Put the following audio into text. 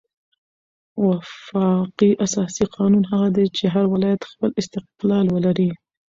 وفاقي اساسي قانون هغه دئ، چي هر ولایت خپل استقلال ولري.